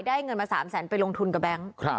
เงินมา๓แสนไปลงทุนกับแบงค์